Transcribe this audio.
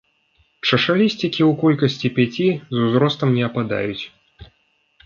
Чашалісцікі ў колькасці пяці, з узростам не ападаюць.